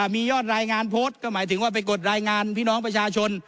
มียอดรายงานโพสต์ก็หมายถึงว่าไปกดรายงานพี่น้องประชาชน